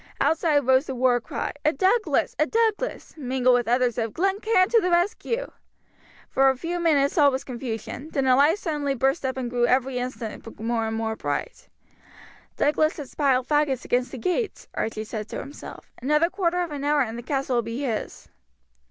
Outside rose the war cry, "A Douglas! A Douglas!" mingled with others of, "Glen Cairn to the rescue!" For a few minutes all was confusion, then a light suddenly burst up and grew every instant more and more bright. "Douglas has piled faggots against the gates," Archie said to himself. "Another quarter of an hour and the castle will be his."